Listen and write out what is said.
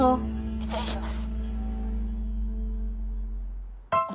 失礼します。